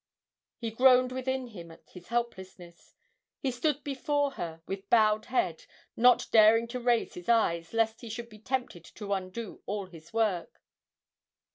He groaned within him at his helplessness; he stood before her with bowed head, not daring to raise his eyes, lest he should be tempted to undo all his work.